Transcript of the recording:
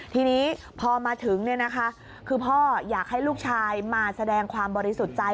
ทีนี้พอมาถึงคือพ่ออยากให้ลูกชายมาแสดงความบริสุทธิ์ใจ